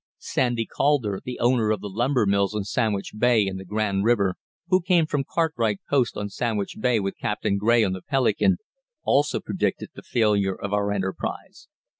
"Sandy" Calder, the owner of lumber mills on Sandwich Bay and the Grand River, who came from Cartwright Post on Sandwich Bay with Captain Grey on the Pelican, also predicted the failure of our enterprise.